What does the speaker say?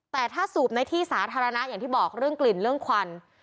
แต่ถ้าสูบในที่สาธารณะอย่างที่บอกเรื่องกลิ่นเรื่องควัน